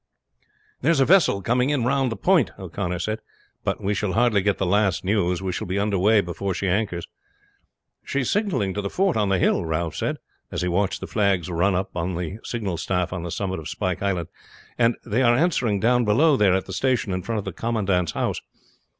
"There is a vessel coming in round the point," O'Connor said. "But we shall hardly get the last news; we shall be under way before she anchors." "She is signaling to the fort on the hill," Ralph said, as he watched the flags run up on the signal staff on the summit of Spike Island; "and they are answering down below there at the station in front of the commandant's house."